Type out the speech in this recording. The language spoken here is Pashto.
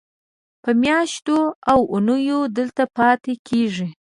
په میاشتو او اوونیو دلته پاتې کېږي.